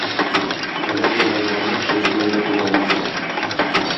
Каләм белән язганны кылыч белән дә боза алмассың.